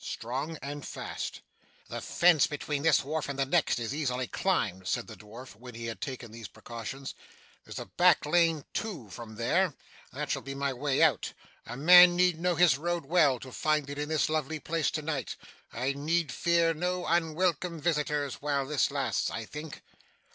Strong and fast. 'The fence between this wharf and the next is easily climbed,' said the dwarf, when he had taken these precautions. 'There's a back lane, too, from there. That shall be my way out. A man need know his road well, to find it in this lovely place to night. I need fear no unwelcome visitors while this lasts, I think.